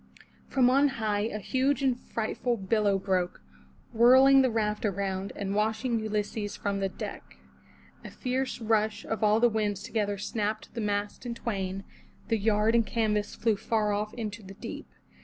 From on high a huge and frightful billow broke, whirling the raft around, and washing Ulysses from the deck. A fierce rush of all the winds together snapped the mast in twain; the yard and canvas flew far off into the deep.